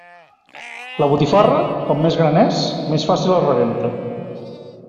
La botifarra, com més gran és, més fàcil es rebenta.